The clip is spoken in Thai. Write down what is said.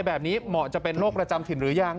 เหมาะจะเป็นโรคประจำถิ่นหรือยัง